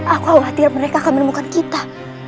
aku khawatir mereka akan menemukan kita